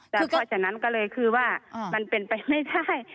แต่พอจากนั้นก็เลยคือว่ามันเป็นไปไม่ได้